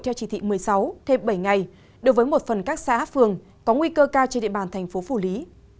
theo chỉ thị một mươi sáu thêm bảy ngày đối với một phần các xã phường có nguy cơ cao trên địa bàn thành phố phủ lý